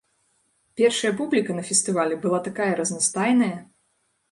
Першая публіка на фестывалі была такая разнастайная!